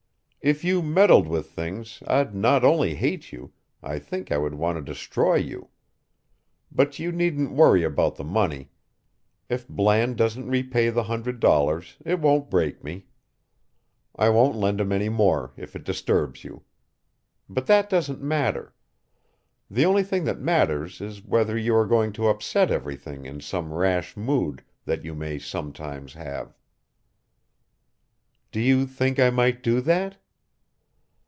If you meddled with things I'd not only hate you, I think I would want to destroy you. But you needn't worry about the money. If Bland doesn't repay the hundred dollars it won't break me. I won't lend him any more if it disturbs you. But that doesn't matter. The only thing that matters is whether you are going to upset everything in some rash mood that you may sometime have." "Do you think I might do that?"